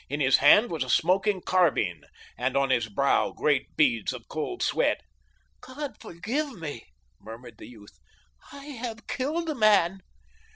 In his hand was a smoking carbine, and on his brow great beads of cold sweat. "God forgive me!" murmured the youth. "I have killed a man."